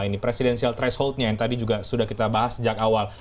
ini presidensial thresholdnya yang tadi juga sudah kita bahas sejak awal